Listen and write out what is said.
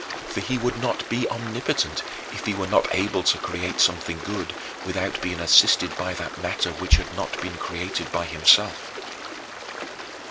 For he would not be omnipotent if he were not able to create something good without being assisted by that matter which had not been created by himself.